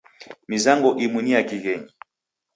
Mizango imu ni ya kighenyi.